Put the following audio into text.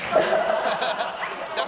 ハハハッ。